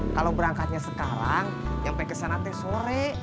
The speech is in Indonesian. kalau berangkatnya sekarang sampai kesana teh sore